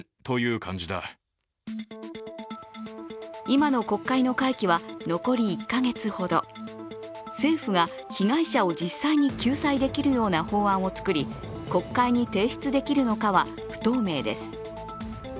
今の国会の会期は残り１か月ほど政府が被害者を実際に救済できるような法案を作り国会に提出できるのかは不透明です。